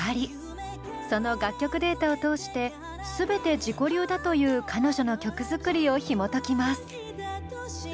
その楽曲データを通して全て自己流だという彼女の曲作りをひもときます。